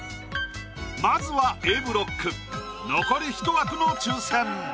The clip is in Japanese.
まずはＡブロック残り１枠の抽選。